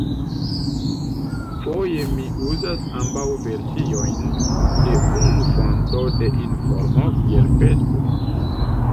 Foje mi uzas ambaŭ versiojn de unu fonto de informo, kiel Facebook.